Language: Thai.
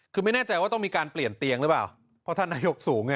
คือไม่แน่ใจว่าต้องมีการเปลี่ยนเตียงหรือเปล่าเพราะท่านนายกสูงไง